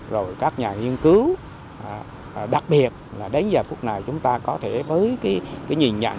rồi các nhà nghiên cứu đặc biệt là đến giờ phút này chúng ta có thể với cái nhìn nhận